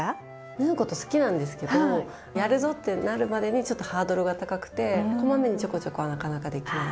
縫うこと好きなんですけどやるぞってなるまでにちょっとハードルが高くて小まめにちょこちょこはなかなかできない。